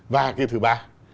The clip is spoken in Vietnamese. và cái thứ ba